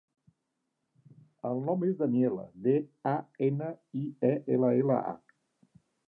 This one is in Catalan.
El nom és Daniella: de, a, ena, i, e, ela, ela, a.